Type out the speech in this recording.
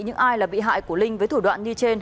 những ai là bị hại của linh với thủ đoạn như trên